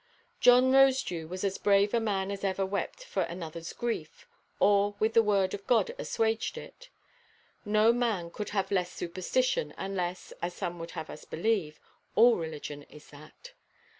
John Rosedew was as brave a man as ever wept for anotherʼs grief, or with the word of God assuaged it. No man could have less superstition, unless (as some would have us believe) all religion is that.